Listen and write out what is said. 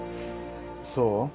そう？